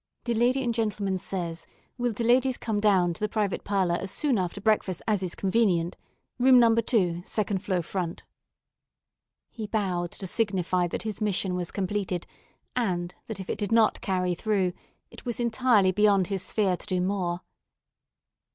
"De lady and gen'leman says, Will de ladies come down to the private pahlah as soon aftah breakfus' as is convenient, room number 2, second flo' front?" He bowed to signify that his mission was completed, and that if it did not carry through, it was entirely beyond his sphere to do more.